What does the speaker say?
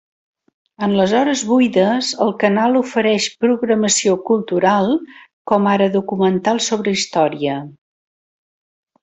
En les hores buides, el canal ofereix programació cultural, com ara documentals sobre història.